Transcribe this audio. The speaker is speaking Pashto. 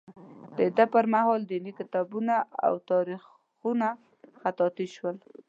د ده پر مهال دیني کتابونه او تاریخونه خطاطي شول.